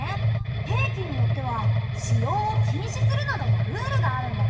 兵器によっては使用を禁止するなどのルールがあるんだよ。